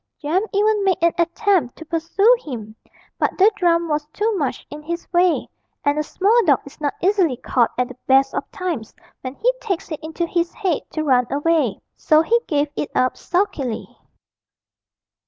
Jem even made an attempt to pursue him, but the drum was too much in his way, and a small dog is not easily caught at the best of times when he takes it into his head to run away. So he gave it up sulkily.